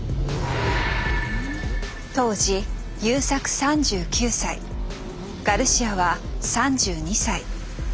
当時優作３９歳ガルシアは３２歳。